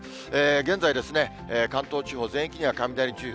現在、関東地方全域には雷注意報。